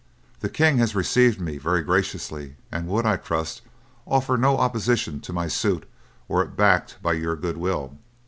The king has received me very graciously, and would, I trust, offer no opposition to my suit were it backed by your goodwill."